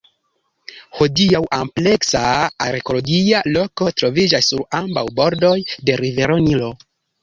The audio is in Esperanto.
Hodiaŭ ampleksa arkeologia loko troviĝas sur ambaŭ bordoj de rivero Nilo.